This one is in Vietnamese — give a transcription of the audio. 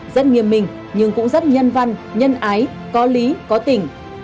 rất nghiêm mình nhưng cũng rất nhân văn nhân ái có lý có tỉnh